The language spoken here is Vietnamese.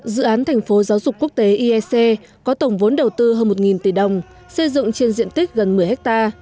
dự án thành phố giáo dục quốc tế iec có tổng vốn đầu tư hơn một tỷ đồng xây dựng trên diện tích gần một mươi ha